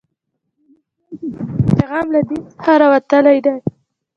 دا به ښيي چې د دوی پیغام له دین څخه راوتلی دی